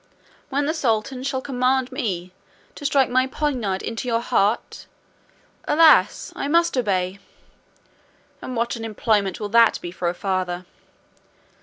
When the sultan shall command me to strike my poniard into your heart, alas! I must obey; and what an employment will that be for a father!